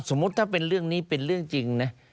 สมมุติถ้าเป็นเรื่องนี้เป็นเรื่องจริงนะ